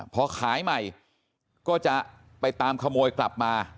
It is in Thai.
พอขายใหม่ก็จะไปตามขโมยกลับมา